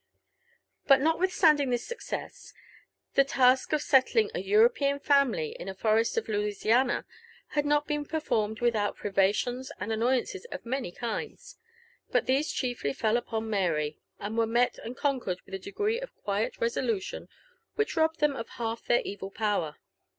JONATHAN JBPFERSON WHITLAW. 33 But notwithstanding this success, the task of settling a European iamily in a forest of Louisiana had not been performed without pri yations and annoyances of many kinds : but these chiefly fell upon Mary, and were met and conquered with a degree of quiet resolution which robbed them of half their evil power.